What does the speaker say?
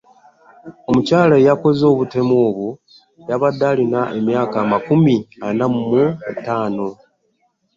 Omukyala eyakoze obutemu obwo yabadde alina emyaka amakumi ana mu etaano .